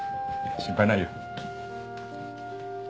心配ないよ。